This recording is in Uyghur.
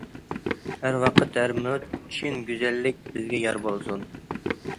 ھەر ۋاقىت، ھەر مىنۇت چىن گۈزەللىك بىزگە يار بولسۇن.